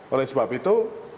oleh sebab itu